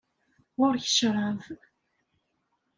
Ɣur-k ccrab.